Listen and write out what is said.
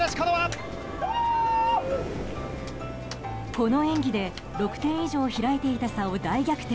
この演技で６点以上開いていた差を大逆転。